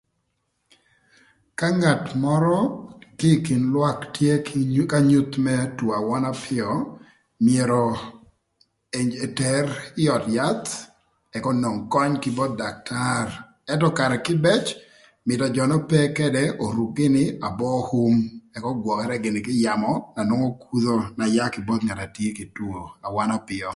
Ka ngat mörö tye ï kin lwak tye k'anyuth më two awöna apïö myero eter ï öd yath ëk onong köny kï both daktar ëntö karë kïbëc mïtö jö n'ope këdë oruk gïnï abo um ëk ögwökërë gïnï kï yamö na nongo kudho na yaa kï both ngat na tye kï two awöna apïö.